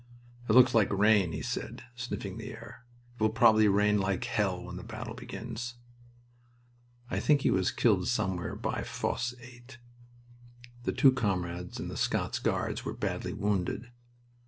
"It looks like rain," he said, sniffing the air. "It will probably rain like hell when the battle begins." I think he was killed somewhere by Fosse 8. The two comrades in the Scots Guards were badly wounded.